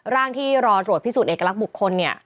ร่างที่รอตรวจพิสูจนเอกลักษณ์บุคคลเนี่ย